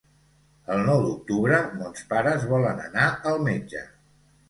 El nou d'octubre mons pares volen anar al metge.